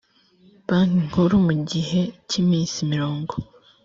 banki nkuru mu gihe cy iminsi mirongo